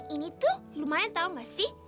ini tuh lumayan tahu gak sih